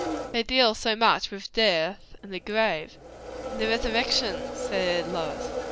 They deal so much with death and the grave." "And the resurrection!" said Lois.